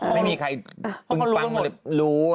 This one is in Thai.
ไม่มีใครปึ่งฟังหรือรู้